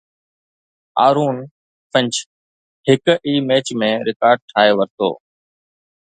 آرون فنچ هڪ ئي match ۾ record ٺاهي ورتو